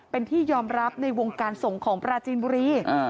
เป็นที่ยอมรับในวงการส่งของปราจีนบุรี